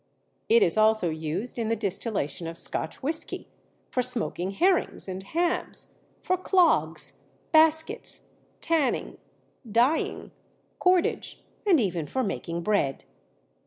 It is also used in the distillation of Scotch whisky, for smoking herrings and hams, for clogs, baskets, tanning, dyeing, cordage, and even for making bread.